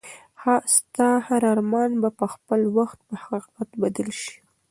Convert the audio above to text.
ستا هر ارمان به په خپل وخت په حقیقت بدل شي.